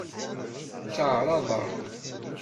Tteɛṛaḍeɣ.